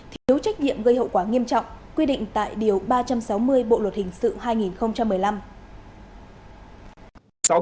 thiếu trách nhiệm gây hậu quả nghiêm trọng quy định tại điều ba trăm sáu mươi bộ luật hình sự hai nghìn một mươi năm